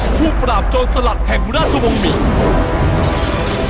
ผู้ปราบจนสลัดแห่งมราชวงศ์มีศ์